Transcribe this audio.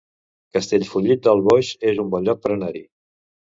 Castellfollit del Boix es un bon lloc per anar-hi